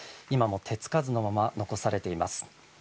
今も手付かずのまま残されています。